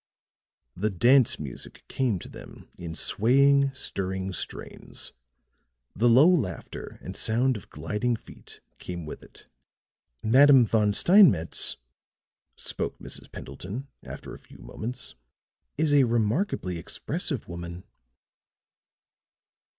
The dance music came to them in swaying, stirring strains; the low laughter and sound of gliding feet came with it. "Madame Von Steinmetz," spoke Mrs. Pendleton, after a few moments, "is a remarkably expressive woman."